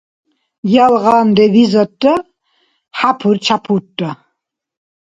Ялгъан ревизорра «хӏяпур-чяпурра»